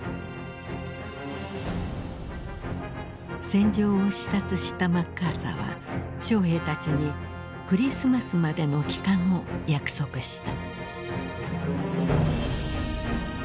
戦場を視察したマッカーサーは将兵たちにクリスマスまでの帰還を約束した。